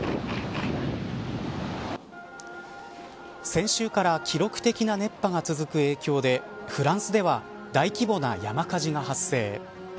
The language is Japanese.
先週から記録的な熱波が続く影響でフランスでは大規模な山火事が発生。